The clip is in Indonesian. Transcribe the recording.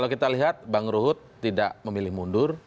kalau kita lihat bang ruhut tidak memilih mundur